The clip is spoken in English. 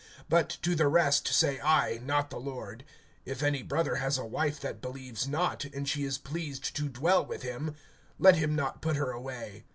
(12)But to the rest say I, not the Lord: If any brother has a wife that believes not, and she is pleased to dwell with him, let him not put her away.